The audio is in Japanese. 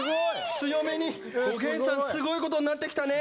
おげんさんすごいことになってきたね！